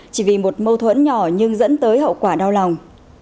chỉ vì một mâu thuẫn nhỏ nhưng dẫn tới hậu quả đau lòng